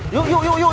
yuk yuk yuk yuk